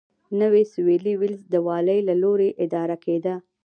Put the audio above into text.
نوی سوېلي ویلز د والي له لوري اداره کېده.